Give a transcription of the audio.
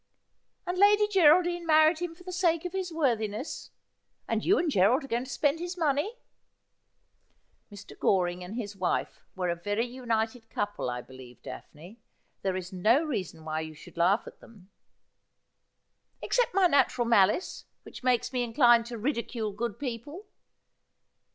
' And Lady Geraldine married him for the sake of his worthi ness ; and you and Gerald are going to spend his money.' ' Mr. Goring and his wife were a very united couple, I be lieve, Daphne. There is no reason why you should laugh at them.' ' Except my natural malice, which makes me inclined to ridi cule good people.